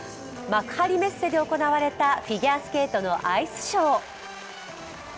幕張メッセで行われたフィギュアスケートのアイスショー。